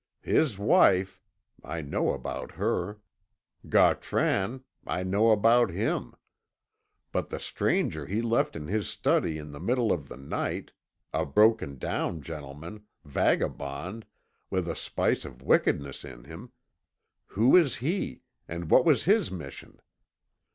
His wife I know about her. Gautran I know about him. But the stranger he left in his study in the middle of the night a broken down gentleman vagabond, with a spice of wickedness in him who is he, and what was his mission?